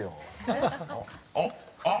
［あっあっ！